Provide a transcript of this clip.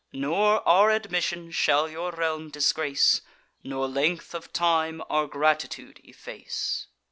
Nor our admission shall your realm disgrace, Nor length of time our gratitude efface.